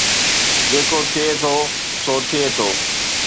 جيڪو ٿئي ٿو سو ٿئي ٿو